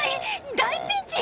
大ピンチ！